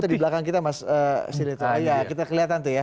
oh itu di belakang kita mas kita lihat nanti ya